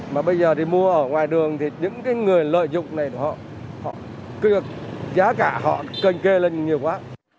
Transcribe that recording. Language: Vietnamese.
mà bây giờ thì mua ở ngoài đường thì những cái người lợi dụng này giá cả họ cân kê lên nhiều quá